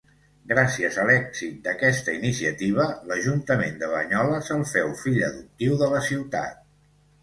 Gràcies a l’èxit d'aquesta iniciativa, l'Ajuntament de Banyoles el feu Fill Adoptiu de la Ciutat.